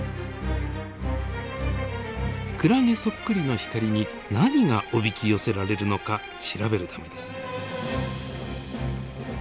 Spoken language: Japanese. クラゲそっくりの光に何がおびき寄せられるのか調べるためです。